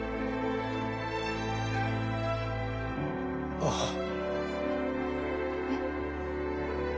あっえっ？